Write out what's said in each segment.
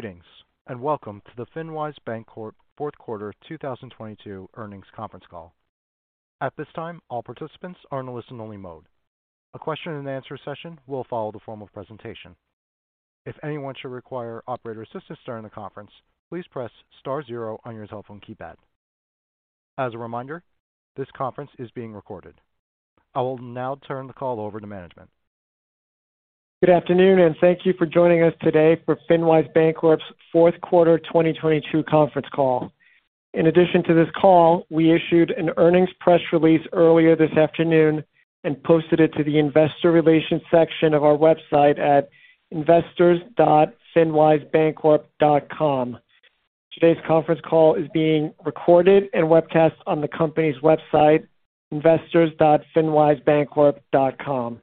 Greetings, and welcome to the FinWise Bancorp Q4 2022 Earnings Conference Call. At this time, all participants are in a listen-only mode. A question and answer session will follow the formal presentation. If anyone should require operator assistance during the conference, please press star zero on your telephone keypad. As a reminder, this conference is being recorded. I will now turn the call over to management. Good afternoon, thank you for joining us today for FinWise Bancorp's Q4 2022 Conference Call. In addition to this call, we issued an earnings press release earlier this afternoon and posted it to the investor relations section of our website at investors.finwisebancorp.com. Today's conference call is being recorded and webcast on the company's website, investors.finwisebancorp.com.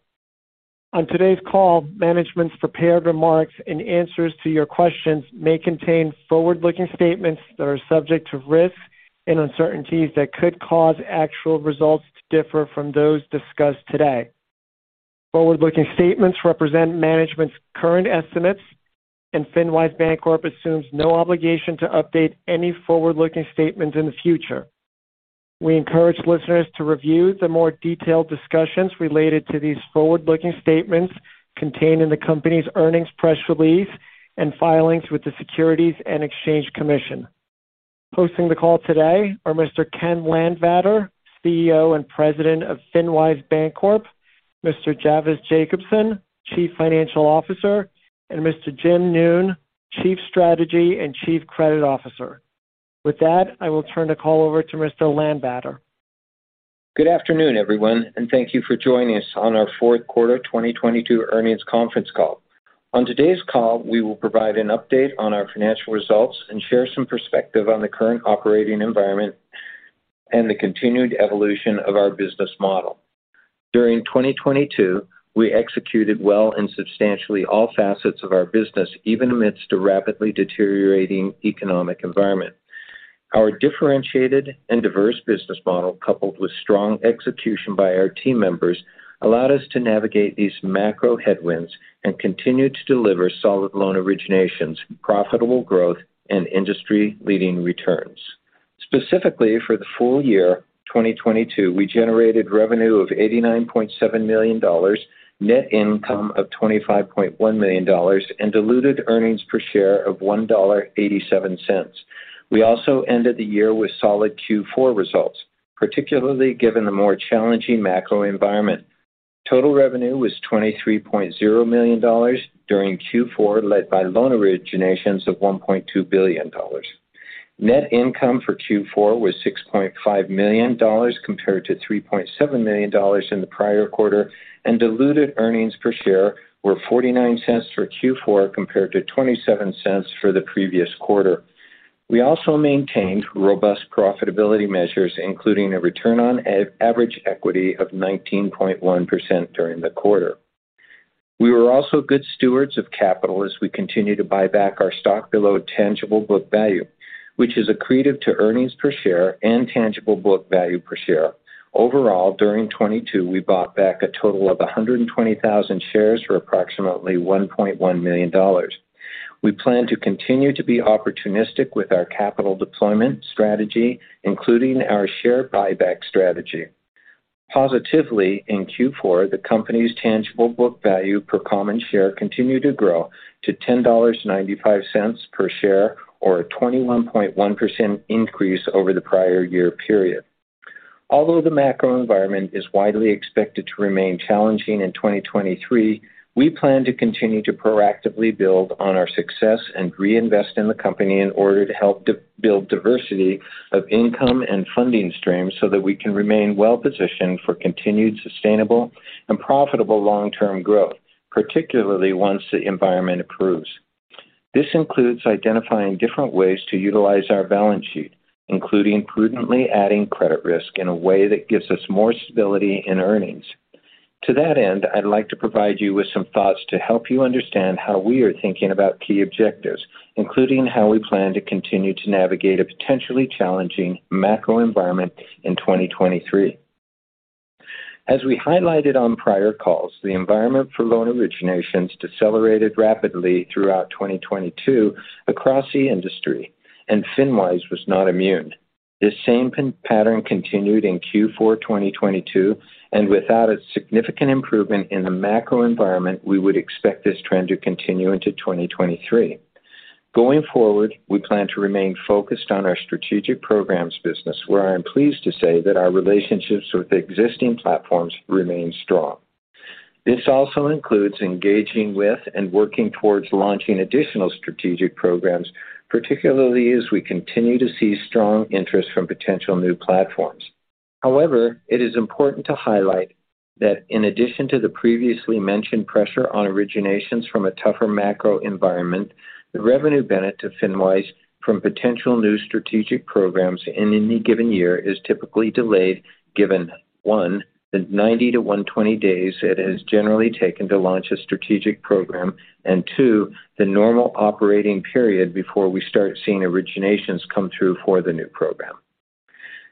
On today's call, management's prepared remarks and answers to your questions may contain forward-looking statements that are subject to risks, and uncertainties that could cause actual results to differ from those discussed today. Forward-looking statements represent management's current estimates. FinWise Bancorp assumes no obligation to update any forward-looking statements in the future. We encourage listeners to review the more detailed discussions related to these forward-looking statements contained in the company's earnings press release and filings with the Securities and Exchange Commission. Hosting the call today are Mr. Kent Landvatter, CEO and President of FinWise Bancorp, Mr. Javvis Jacobson, Chief Financial Officer, and Mr. Jim Noone, Chief Strategy and Chief Credit Officer. I will turn the call over to Mr. Landvatter. Good afternoon, everyone, thank you for joining us on our Q4 2022 earnings conference call. On today's call, we will provide an update on our financial results and share some perspective on the current operating environment and the continued evolution of our business model. During 2022, we executed well in substantially all facets of our business, even amidst a rapidly deteriorating economic environment. Our differentiated and diverse business model, coupled with strong execution by our team members, allowed us to navigate these macro headwinds and continue to deliver solid loan originations, profitable growth and industry-leading returns. Specifically for the full year 2022, we generated revenue of $89.7 million, net income of $25.1 million, and diluted earnings per share of $1.87. We also ended the year with solid Q4 results, particularly given the more challenging macro environment. Total revenue was $23.0 million during Q4 led by loan originations of $1.2 billion. Net income for Q4 was $6.5 million compared to $3.7 million in the prior quarter. Diluted earnings per share were $0.49 for Q4 compared to $0.27 for the previous quarter. We also maintained robust profitability measures, including a return on average equity of 19.1% during the quarter. We were also good stewards of capital as we continue to buy back our stock below tangible book value, which is accretive to earnings per share and tangible book value per share. Overall, during 2022, we bought back a total of 120,000 shares for approximately $1.1 million. We plan to continue to be opportunistic with our capital deployment strategy, including our share buyback strategy. Positively in Q4, the company's tangible book value per common share continued to grow to $10.95 per share or a 21.1% increase over the prior year period. Although the macro environment is widely expected to remain challenging in 2023, we plan to continue to proactively build on our success and reinvest in the company in order to help build diversity of income and funding streams so that we can remain well-positioned for continued sustainable and profitable long-term growth, particularly once the environment improves. This includes identifying different ways to utilize our balance sheet, including prudently adding credit risk in a way that gives us more stability in earnings. To that end, I'd like to provide you with some thoughts to help you understand how we are thinking about key objectives, including how we plan to continue to navigate a potentially challenging macro environment in 2023. As we highlighted on prior calls, the environment for loan originations decelerated rapidly throughout 2022 across the industry, and FinWise was not immune. This same pattern continued in Q4 2022. Without a significant improvement in the macro environment, we would expect this trend to continue into 2023. Going forward, we plan to remain focused on our strategic programs business, where I'm pleased to say that our relationships with existing platforms remain strong. This also includes engaging with and working towards launching additional strategic programs, particularly as we continue to see strong interest from potential new platforms. It is important to highlight that in addition to the previously mentioned pressure on originations from a tougher macro environment, the revenue benefit to FinWise from potential new strategic programs in any given year is typically delayed, given, one, the 90-120 days it has generally taken to launch a strategic program, and two, the normal operating period before we start seeing originations come through for the new program.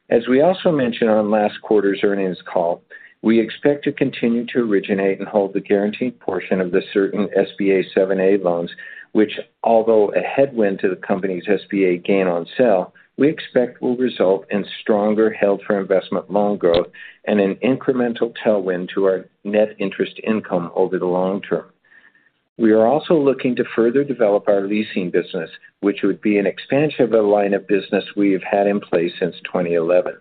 As we also mentioned on last quarter's earnings call, we expect to continue to originate and hold the guaranteed portion of the certain SBA 7(a) loans, which although a headwind to the company's SBA gain on sale, we expect will result in stronger held for investment loan growth, and an incremental tailwind to our net interest income over the long term. We are also looking to further develop our leasing business, which would be an expansion of a line of business we have had in place since 2011.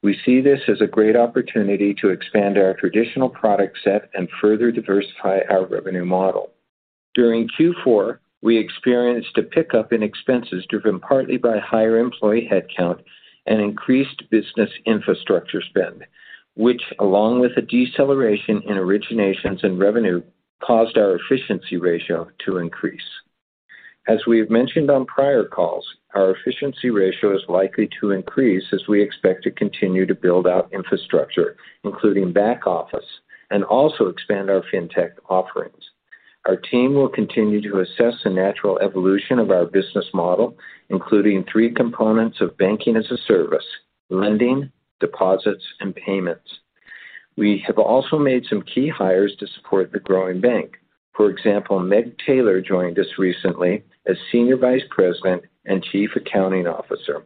We see this as a great opportunity to expand our traditional product set and further diversify our revenue model. During Q4, we experienced a pickup in expenses driven partly by higher employee headcount, and increased business infrastructure spend, which along with a deceleration in originations and revenue, caused our efficiency ratio to increase. As we have mentioned on prior calls, our efficiency ratio is likely to increase as we expect to continue to build out infrastructure, including back office and also expand our fintech offerings. Our team will continue to assess the natural evolution of our business model, including three components of Banking as a Service, lending, deposits, and payments. We have also made some key hires to support the growing bank. For example, Meg Taylor joined us recently as Senior Vice President and Chief Accounting Officer.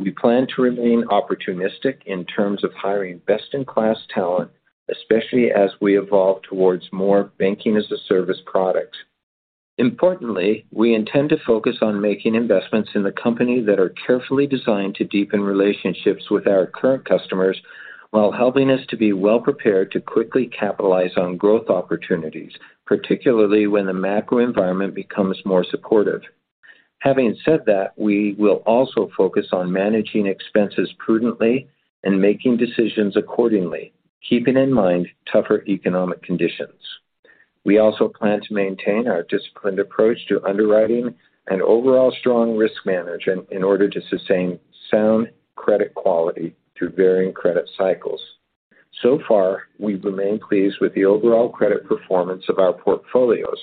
We plan to remain opportunistic in terms of hiring best-in-class talent, especially as we evolve towards more Banking as a Service product. Importantly, we intend to focus on making investments in the company that are carefully designed to deepen relationships with our current customers, while helping us to be well-prepared to quickly capitalize on growth opportunities, particularly when the macro environment becomes more supportive. Having said that, we will also focus on managing expenses prudently and making decisions accordingly, keeping in mind tougher economic conditions. We also plan to maintain our disciplined approach to underwriting and overall strong risk management in order to sustain sound credit quality through varying credit cycles. So far, we've remained pleased with the overall credit performance of our portfolios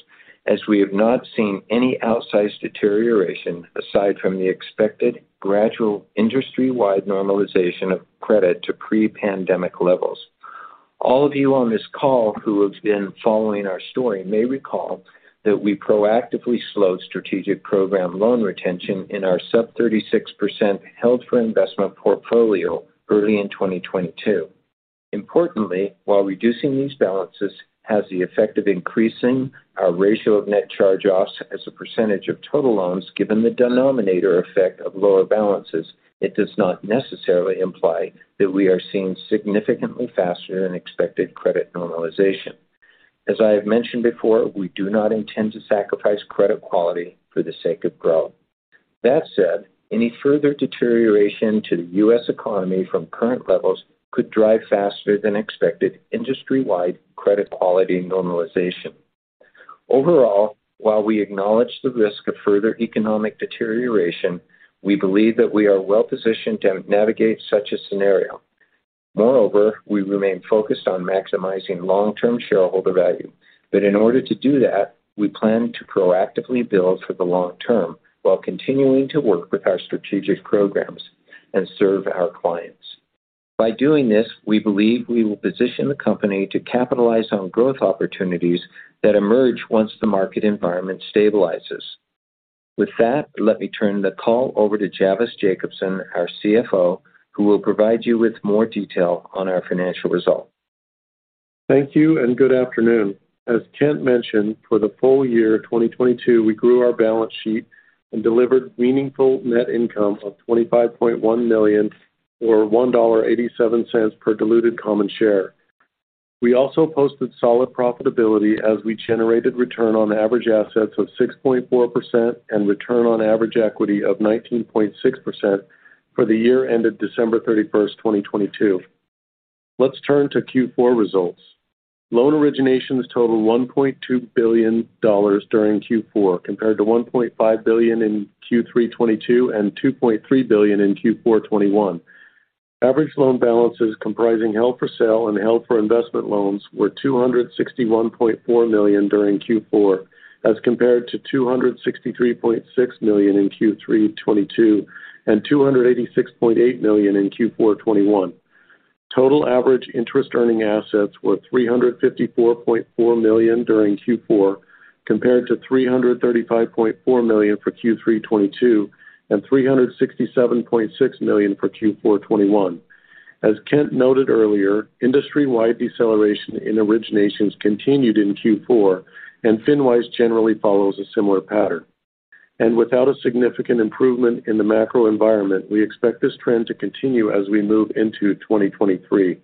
as we have not seen any outsized deterioration aside from the expected gradual industry-wide normalization of credit to pre-pandemic levels. All of you on this call who have been following our story may recall that we proactively slowed strategic program loan retention in our sub 36% held for investment portfolio early in 2022. Importantly, while reducing these balances has the effect of increasing our ratio of net charge-offs as a percentage of total loans, given the denominator effect of lower balances, it does not necessarily imply that we are seeing significantly faster than expected credit normalization. As I have mentioned before, we do not intend to sacrifice credit quality for the sake of growth. That said, any further deterioration to the US economy from current levels could drive faster than expected industry-wide credit quality normalization. Overall, while we acknowledge the risk of further economic deterioration, we believe that we are well-positioned to navigate such a scenario. Moreover, we remain focused on maximizing long-term shareholder value. In order to do that, we plan to proactively build for the long term while continuing to work with our strategic programs and serve our clients. By doing this, we believe we will position the company to capitalize on growth opportunities that emerge once the market environment stabilizes. With that, let me turn the call over to Javvis Jacobson, our CFO, who will provide you with more detail on our financial results. Thank you. Good afternoon. As Kent mentioned, for the full year 2022, we grew our balance sheet and delivered meaningful net income of $25.1 million or $1.87 per diluted common share. We also posted solid profitability as we generated return on average assets of 6.4% and return on average equity of 19.6% for the year ended December 31st, 2022. Let's turn to Q4 results. Loan originations totaled $1.2 billion during Q4 compared to $1.5 billion in Q3 2022 and $2.3 billion in Q4 2021. Average loan balances comprising held for sale and held for investment loans were $261.4 million during Q4 as compared to $263.6 million in Q3 2022 and $286.8 million in Q4 2021. Total average interest earning assets were $354.4 million during Q4 compared to $335.4 million for Q3 2022 and $367.6 million for Q4 2021. As Kent noted earlier, industry-wide deceleration in originations continued in Q4, and FinWise generally follows a similar pattern. Without a significant improvement in the macro environment, we expect this trend to continue as we move into 2023.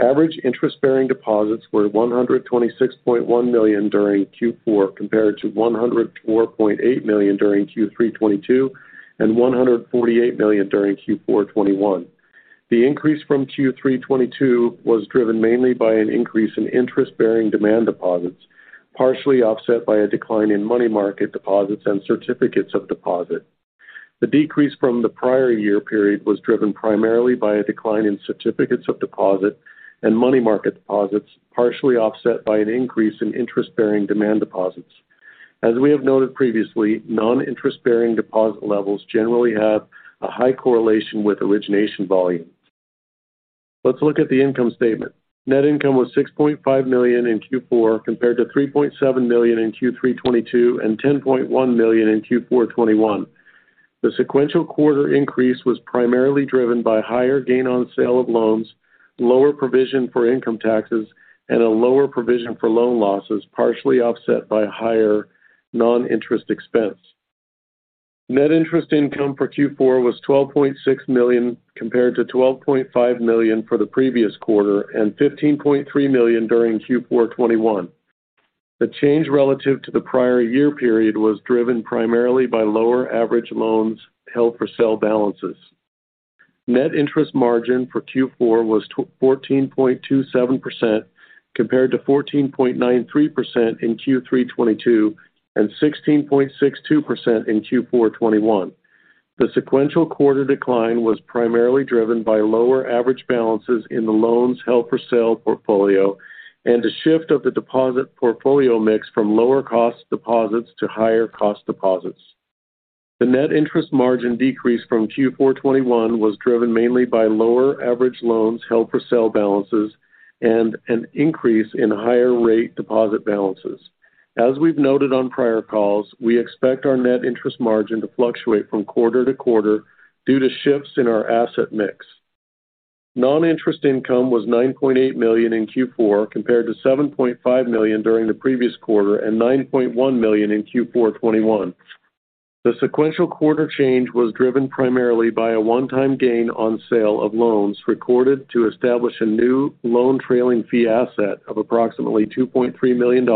Average interest-bearing deposits were $126.1 million during Q4 compared to $104.8 million during Q3 2022 and $148 million during Q4 2021. The increase from Q3 2022 was driven mainly by an increase in interest-bearing demand deposits, partially offset by a decline in money market deposits and certificates of deposit. The decrease from the prior year period was driven primarily by a decline in certificates of deposit and money market deposits, partially offset by an increase in interest-bearing demand deposits. As we have noted previously, non-interest-bearing deposit levels generally have a high correlation with origination volume. Let's look at the income statement. Net income was $6.5 million in Q4 compared to $3.7 million in Q3 2022 and $10.1 million in Q4 2021. The sequential quarter increase was primarily driven by higher gain on sale of loans, lower provision for income taxes, and a lower provision for loan losses, partially offset by higher non-interest expense. Net interest income for Q4 was $12.6 million compared to $12.5 million for the previous quarter and $15.3 million during Q4 2021. The change relative to the prior year period was driven primarily by lower average loans held for sale balances. Net interest margin for Q4 was 14.27% compared to 14.93% in Q3 2022 and 16.62% in Q4 2021. The sequential quarter decline was primarily driven by lower average balances in the loans held for sale portfolio and a shift of the deposit portfolio mix from lower cost deposits to higher cost deposits. The net interest margin decrease from Q4 2021 was driven mainly by lower average loans held for sale balances and an increase in higher rate deposit balances. As we've noted on prior calls, we expect our net interest margin to fluctuate from quarter to quarter due to shifts in our asset mix. Non-interest income was $9.8 million in Q4 compared to $7.5 million during the previous quarter and $9.1 million in Q4 2021. The sequential quarter change was driven primarily by a one-time gain on sale of loans recorded to establish a new loan trailing fee asset of approximately $2.3 million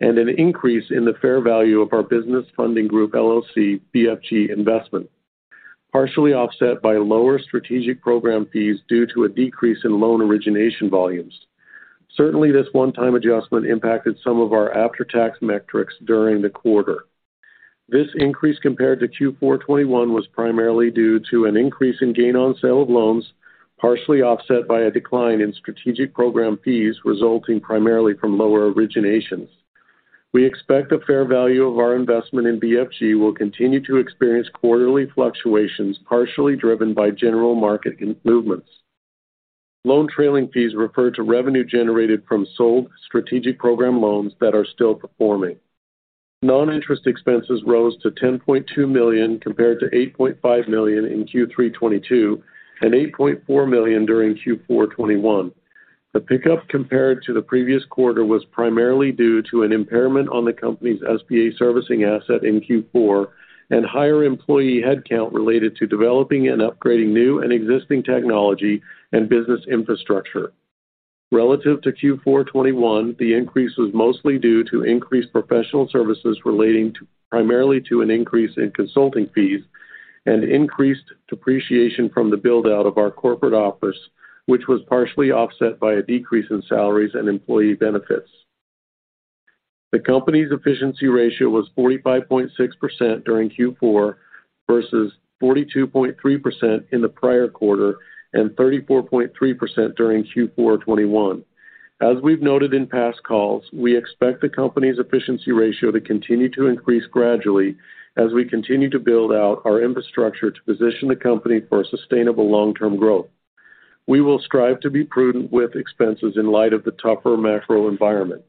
and an increase in the fair value of our Business Funding Group, LLC, BFG investment, partially offset by lower Strategic Program fees due to a decrease in loan origination volumes. Certainly, this one-time adjustment impacted some of our after-tax metrics during the quarter. This increase compared to Q4 2021 was primarily due to an increase in gain on sale of loans, partially offset by a decline in Strategic Program fees resulting primarily from lower originations. We expect the fair value of our investment in BFG will continue to experience quarterly fluctuations, partially driven by general market improvements. Loan trailing fees refer to revenue generated from sold Strategic Program loans that are still performing. Non-interest expenses rose to $10.2 million compared to $8.5 million in Q3 2022 and $8.4 million during Q4 2021. The pickup compared to the previous quarter was primarily due to an impairment on the company's SBA servicing asset in Q4 and higher employee headcount related to developing and upgrading new and existing technology and business infrastructure. Relative to Q4 2021, the increase was mostly due to increased professional services relating primarily to an increase in consulting fees and increased depreciation from the build-out of our corporate office, which was partially offset by a decrease in salaries and employee benefits. The company's efficiency ratio was 45.6% during Q4 versus 42.3% in the prior quarter and 34.3% during Q4 2021. As we've noted in past calls, we expect the company's efficiency ratio to continue to increase gradually as we continue to build out our infrastructure to position the company for sustainable long-term growth. We will strive to be prudent with expenses in light of the tougher macro environment.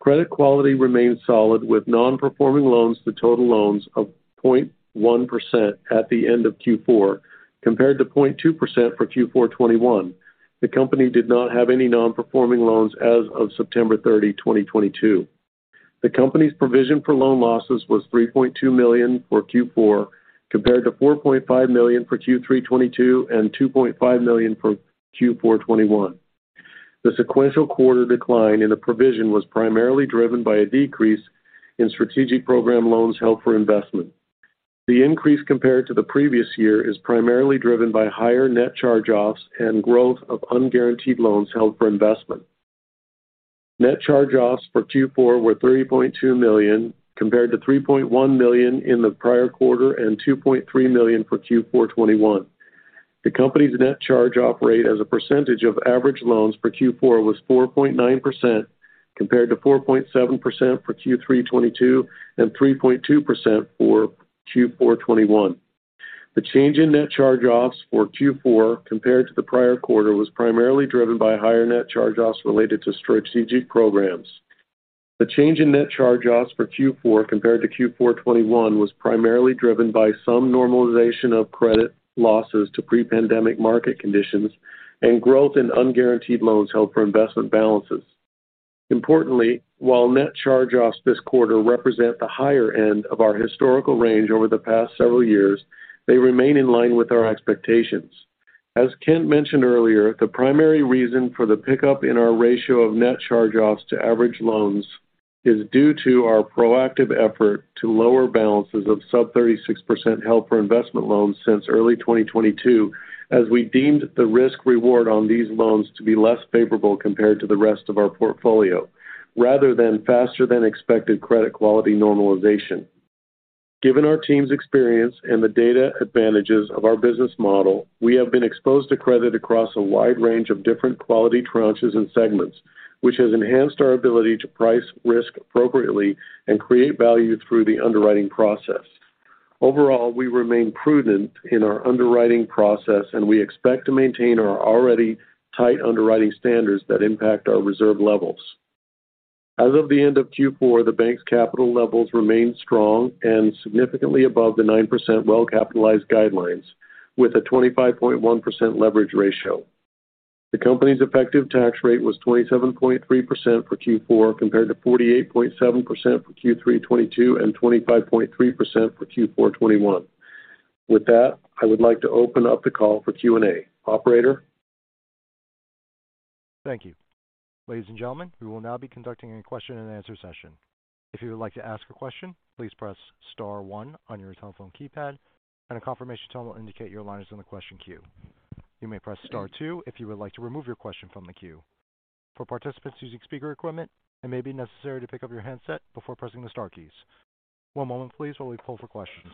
Credit quality remains solid with non-performing loans to total loans of 0.1% at the end of Q4 compared to 0.2% for Q4 2021. The company did not have any non-performing loans as of September 30, 2022. The company's provision for loan losses was $3.2 million for Q4 compared to $4.5 million for Q3 2022 and $2.5 million for Q4 2021. The sequential quarter decline in the provision was primarily driven by a decrease in strategic program loans held for investment. The increase compared to the previous year is primarily driven by higher net charge-offs and growth of unguaranteed loans held for investment. Net charge-offs for Q4 were $3.2 million compared to $3.1 million in the prior quarter and $2.3 million for Q4 2021. The company's net charge-off rate as a percentage of average loans for Q4 was 4.9% compared to 4.7% for Q3 2022 and 3.2% for Q4 2021. The change in net charge-offs for Q4 compared to the prior quarter was primarily driven by higher net charge-offs related to strategic programs. The change in net charge-offs for Q4 compared to Q4 2021 was primarily driven by some normalization of credit losses to pre-pandemic market conditions, and growth in unguaranteed loans held for investment balances. Importantly, while net charge-offs this quarter represent the higher end of our historical range over the past several years, they remain in line with our expectations. As Kent mentioned earlier, the primary reason for the pickup in our ratio of net charge-offs to average loans is due to our proactive effort to lower balances of sub-36% held for investment loans since early 2022, as we deemed the risk reward on these loans to be less favorable compared to the rest of our portfolio, rather than faster than expected credit quality normalization. Given our team's experience and the data advantages of our business model, we have been exposed to credit across a wide range of different quality tranches and segments, which has enhanced our ability to price risk appropriately, and create value through the underwriting process. Overall, we remain prudent in our underwriting process. We expect to maintain our already tight underwriting standards that impact our reserve levels. As of the end of Q4, the bank's capital levels remained strong and significantly above the 9% well-capitalized guidelines with a 25.1% leverage ratio. The company's effective tax rate was 27.3% for Q4 compared to 48.7% for Q3 2022 and 25.3% for Q4 2021. With that, I would like to open up the call for Q&A. Operator? Thank you. Ladies and gentlemen, we will now be conducting a question-and-answer session. If you would like to ask a question, please press star one on your telephone keypad, and a confirmation tone will indicate your line is in the question queue. You may press star two if you would like to remove your question from the queue. For participants using speaker equipment, it may be necessary to pick up your handset before pressing the star keys. One moment please while we pull for questions.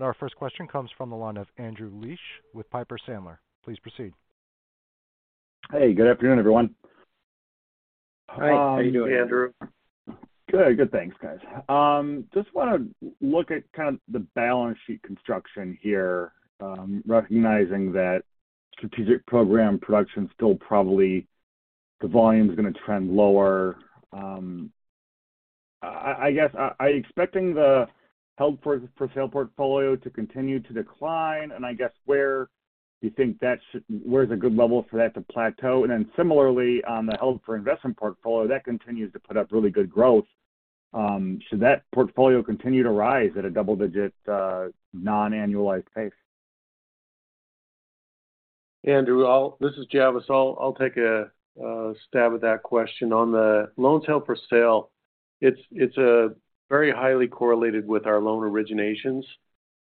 Our first question comes from the line of Andrew Liesch with Piper Sandler. Please proceed. Hey, good afternoon, everyone. Hi. How you doing, Andrew? Good. Good, thanks, guys. Just want to look at kind of the balance sheet construction here, recognizing that Strategic Program production is still probably the volume's gonna trend lower. I guess are you expecting the held for sale portfolio to continue to decline? I guess where you think where is a good level for that to plateau? Similarly on the held for investment portfolio that continues to put up really good growth, should that portfolio continue to rise at a double-digit, non-annualized pace? Andrew, this is Javvis. I'll take a stab at that question. On the loans held for sale, it's a very highly correlated with our loan originations.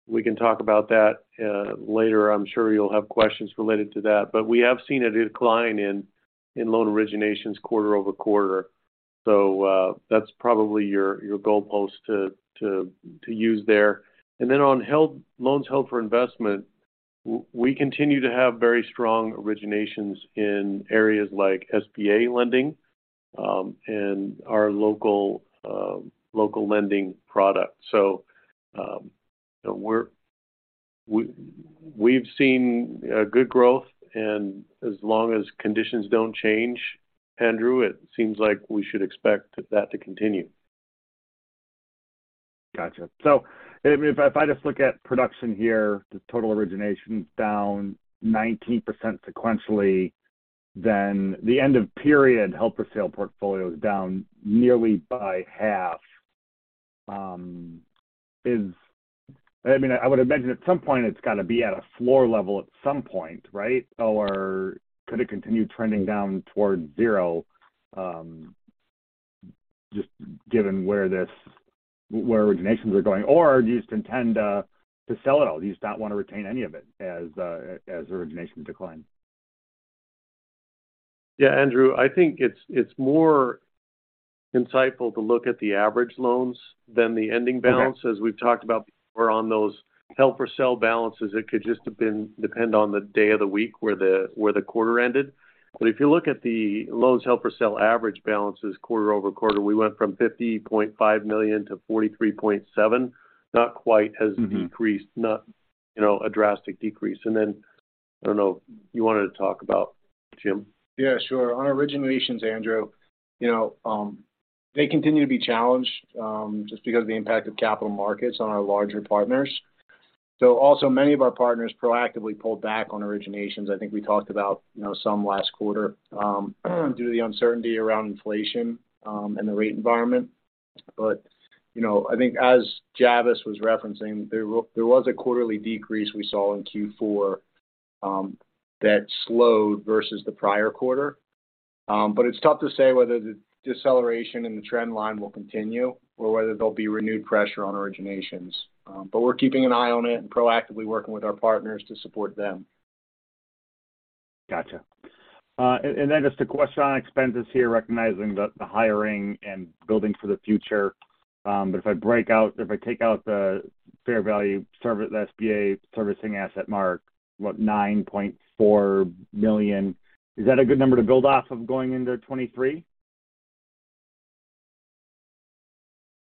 We can talk about that later. I'm sure you'll have questions related to that. We have seen a decline in loan originations quarter-over-quarter. That's probably your goalpost to use there. Then on loans held for investment, we continue to have very strong originations in areas like SBA lending, and our local lending product. We've seen good growth. As long as conditions don't change, Andrew, it seems like we should expect that to continue. Gotcha. If I just look at production here, the total origination is down 19% sequentially, the end of period held for sale portfolio is down nearly by half. I mean, I would imagine at some point it's got to be at a floor level at some point, right? Could it continue trending down towards zero, just given where originations are going? Do you just intend to sell it all? Do you just not want to retain any of it as origination decline? Andrew, I think it's more insightful to look at the average loans than the ending balance. Okay. As we've talked about before on those held for sale balances, it could just have been depend on the day of the week where the, where the quarter ended. If you look at the loans held for sale average balances quarter-over-quarter, we went from $50.5 million to $43.7 million. Not quite as decreased. Mm-hmm. Not, you know, a drastic decrease. I don't know if you wanted to talk about, Jim. Sure. On originations, Andrew, you know, they continue to be challenged, just because of the impact of capital markets on our larger partners. Also many of our partners proactively pulled back on originations. I think we talked about, you know, some last quarter, due to the uncertainty around inflation, and the rate environment. You know, I think as Javvis was referencing, there was a quarterly decrease we saw in Q4, that slowed versus the prior quarter. It's tough to say whether the deceleration in the trend line will continue or whether there'll be renewed pressure on originations. We're keeping an eye on it and proactively working with our partners to support them. Gotcha. Just a question on expenses here, recognizing the hiring and building for the future. If I take out the fair value service, the SBA servicing asset mark, what, $9.4 million, is that a good number to build off of going into 2023?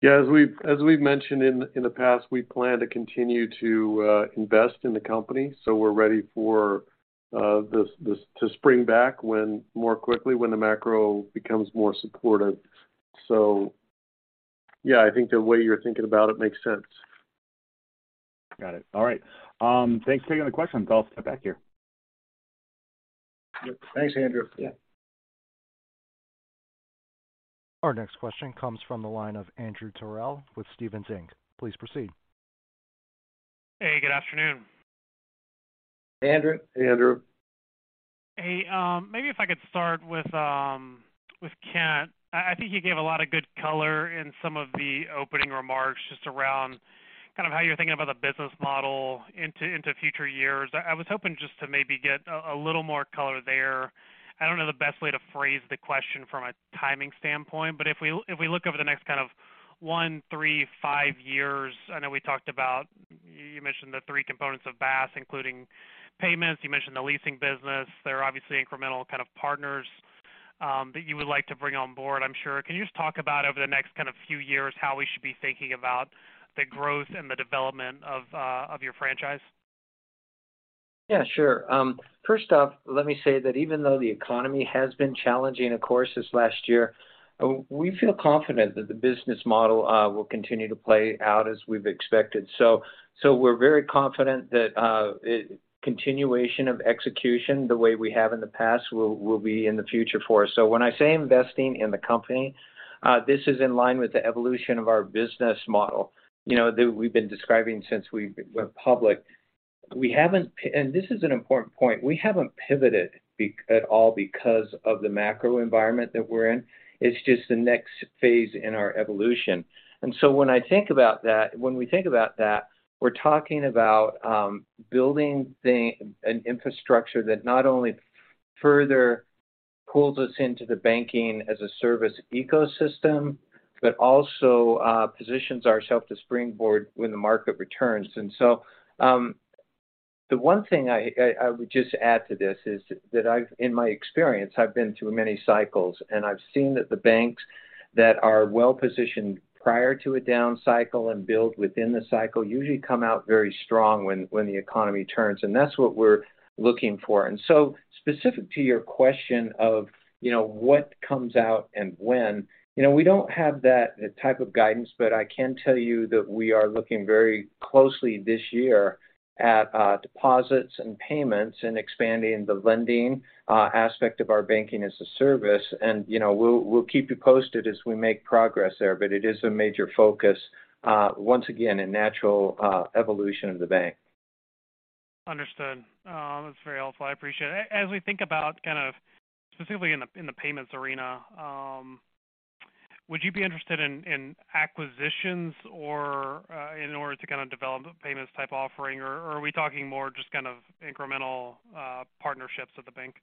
Yeah. As we've mentioned in the past, we plan to continue to invest in the company, so we're ready for this to spring back when more quickly when the macro becomes more supportive. Yeah, I think the way you're thinking about it makes sense. Got it. All right. Thanks for taking the question. I'll step back here. Thanks, Andrew. Yeah. Our next question comes from the line of Andrew Terrell with Stephens Inc. Please proceed. Hey, good afternoon. Hey Andrew. Hey Andrew. Hey. Maybe if I could start with Kent. I think you gave a lot of good color in some of the opening remarks just around kind of how you're thinking about the business model into future years. I was hoping just to maybe get a little more color there. I don't know the best way to phrase the question from a timing standpoint. If we look over the next kind of one, three, five years, I know we talked about. You mentioned the three components of BaaS, including payments. You mentioned the leasing business. There are obviously incremental kind of partners that you would like to bring on board, I'm sure. Can you just talk about over the next kind of few years, how we should be thinking about the growth and the development of your franchise? Yeah, sure. First off, let me say that even though the economy has been challenging, of course, this last year, we feel confident that the business model will continue to play out as we've expected. We're very confident that continuation of execution the way we have in the past will be in the future for us. When I say investing in the company, this is in line with the evolution of our business model, you know, that we've been describing since we went public. This is an important point. We haven't pivoted at all because of the macro environment that we're in. It's just the next phase in our evolution. When I think about that, when we think about that, we're talking about building an infrastructure that not only further pulls us into the Banking as a Service ecosystem, but also positions ourself to springboard when the market returns. The one thing I would just add to this is that, in my experience, I've been through many cycles, and I've seen that the banks that are well-positioned prior to a down cycle and build within the cycle usually come out very strong when the economy turns. That's what we're looking for. Specific to your question of, you know, what comes out and when, you know, we don't have that type of guidance, but I can tell you that we are looking very closely this year at deposits and payments and expanding the lending aspect of our Banking as a Service. You know, we'll keep you posted as we make progress there. It is a major focus, once again, a natural evolution of the bank. Understood. That's very helpful. I appreciate it. As we think about kind of specifically in the, in the payments arena, would you be interested in acquisitions or, in order to kind of develop a payments-type offering? Or are we talking more just kind of incremental, partnerships at the bank?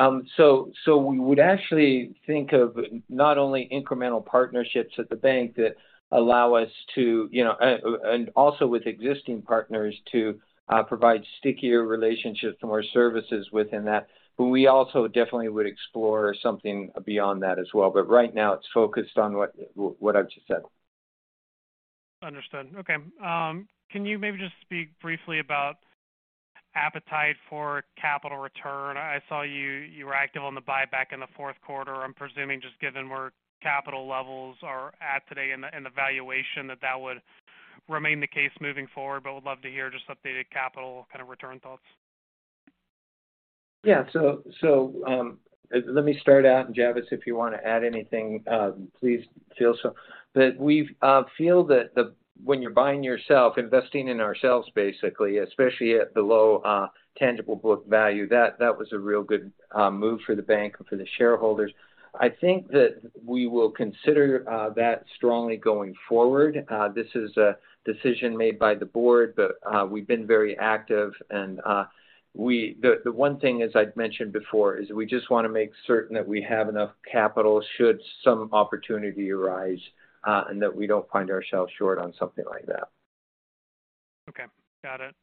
We would actually think of not only incremental partnerships at the bank that allow us to, you know, and also with existing partners to, provide stickier relationships and more services within that. We also definitely would explore something beyond that as well. Right now it's focused on what I've just said. Understood. Okay. Can you maybe just speak briefly about appetite for capital return? I saw you were active on the buyback in the Q4. I'm presuming just given where capital levels are at today and the valuation, that that would remain the case moving forward. Would love to hear just updated capital kind of return thoughts. Let me start out, and Javvis, if you want to add anything, please feel so. We've feel that when you're buying yourself, investing in ourselves basically, especially at the low tangible book value, that was a real good move for the bank and for the shareholders. I think that we will consider that strongly going forward. This is a decision made by the board, we've been very active. The one thing, as I'd mentioned before, is we just want to make certain that we have enough capital should some opportunity arise, and that we don't find ourselves short on something like that. Got it.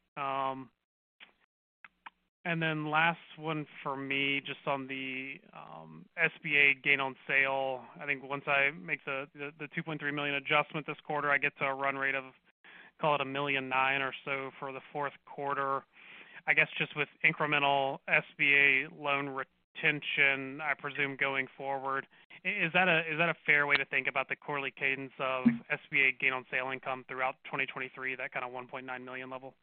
Last one for me, just on the SBA gain on sale. I think once I make the $2.3 million adjustment this quarter, I get to a run rate of, call it $1.9 million or so for the Q4. I guess just with incremental SBA loan retention, I presume going forward, is that a fair way to think about the quarterly cadence of SBA gain on sale income throughout 2023, that kind of $1.9 million level?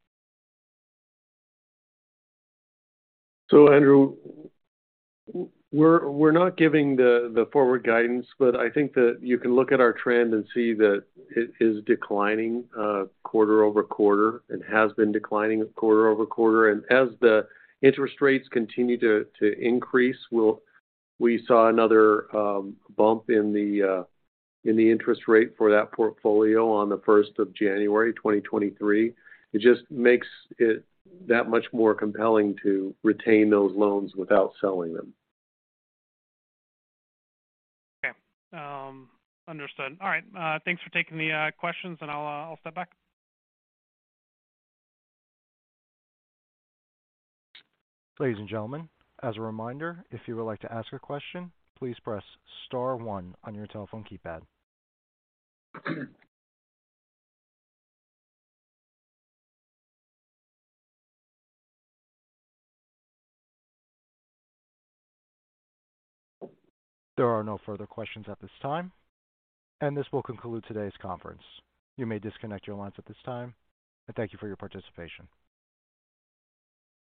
Andrew, we're not giving the forward guidance, but I think that you can look at our trend and see that it is declining quarter-over-quarter and has been declining quarter-over-quarter. As the interest rates continue to increase, we saw another bump in the interest rate for that portfolio on the first of January 2023. It just makes it that much more compelling to retain those loans without selling them. Okay. Understood. All right. Thanks for taking the questions. I'll step back. Ladies and gentlemen, as a reminder, if you would like to ask a question, please press star one on your telephone keypad. There are no further questions at this time, this will conclude today's conference. You may disconnect your lines at this time, thank you for your participation.